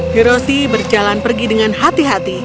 hiroshi berjalan pergi dengan hati hati